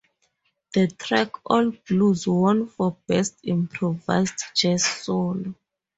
The track "All Blues" won for Best Improvised Jazz Solo.